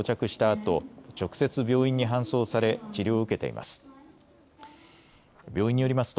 あと直接病院に搬送され治療を受けています。